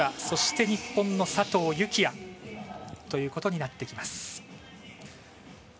そして、日本の佐藤幸椰ということになってきます。